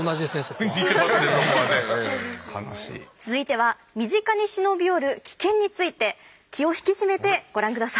続いては身近に忍び寄る危険について気を引き締めてご覧下さい。